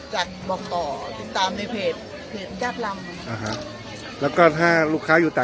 จากบอกต่อติดตามในเพจเพจญาติลำนะฮะแล้วก็ถ้าลูกค้าอยู่ต่าง